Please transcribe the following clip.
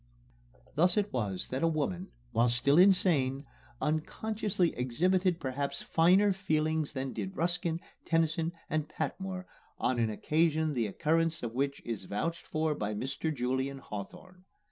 Thus it was that a woman, while still insane, unconsciously exhibited perhaps finer feeling than did Ruskin, Tennyson, and Patmore on an occasion the occurrence of which is vouched for by Mr. Julian Hawthorne.